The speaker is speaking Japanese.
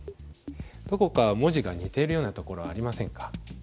どこか文字が似ているようなところありませんか？